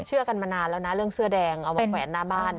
เชื่อกันมานานแล้วนะเรื่องเสื้อแดงเอามาแขวนหน้าบ้าน